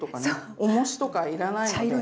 おもしとか要らないので。